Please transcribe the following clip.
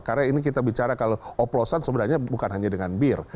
karena ini kita bicara kalau oplosan sebenarnya bukan hanya dengan bir